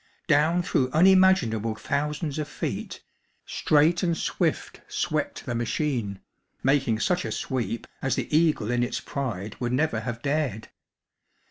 Down through unimaginable thousands of feet, straight and swift swept the machine, making such a sweep as the eagle in its pride would never have dared.